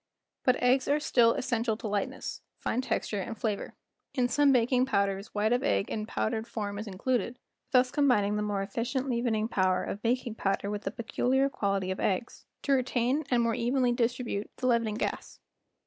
But eggs are still essential to lightness, fine texture, and flavor. In some baking powders white of egg in powdered form is included, thus combining 8 The Making o/ BISCUITS the more efficient leavening power of baking powder with the peculiar! quality of eggs to retain and more evenly distribute the leavening gas.